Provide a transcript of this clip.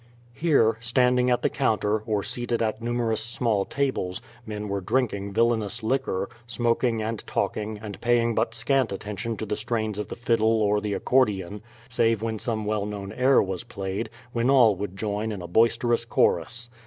Here, standing at the counter, or seated at numerous small tables, men were drinking villainous liquor, smoking and talking, and paying but scant attention to the strains of the fiddle or the accordion, save when some well known air was played, when all would join in a boisterous chorus.